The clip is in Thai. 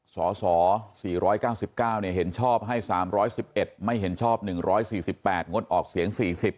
สส๔๙๙เห็นชอบให้๓๑๑ไม่เห็นชอบ๑๔๘งดออกเสียง๔๐